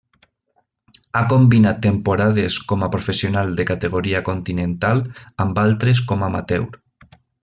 Ha combinat temporades com a professional de categoria continental, amb altres com amateur.